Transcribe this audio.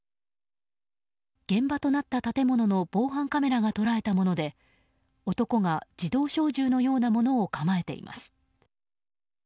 現場となった建物の防犯カメラが捉えたもので男が自動小銃のようなものを構えています。